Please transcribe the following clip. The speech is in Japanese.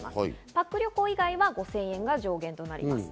パック旅行以外は５０００円が上限となります。